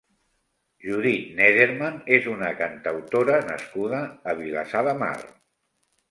Judit Neddermann és una cantautora nascuda a Vilassar de Mar.